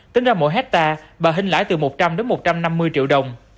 tính ra mỗi hectare bà hình lãi từ một trăm linh một trăm năm mươi triệu đồng